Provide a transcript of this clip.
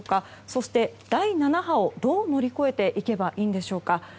そして、第７波をどう乗り越えていけばいいんでしょうか。